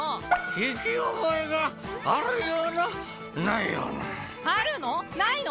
聞き覚えがあるようなないようなあるの？ないの？